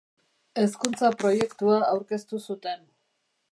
Hezkuntza-proiektua aurkeztu zuten.